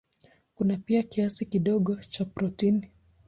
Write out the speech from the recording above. Kuna pia kiasi kidogo cha protini.